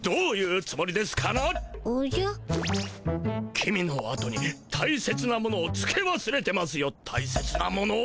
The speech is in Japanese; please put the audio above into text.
公のあとにたいせつなものをつけわすれてますよたいせつなものを。